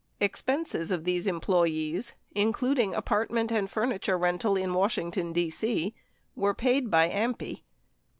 Expenses of these employees, including apartment and furniture rental in Washington, D.C., were paid by AMPI.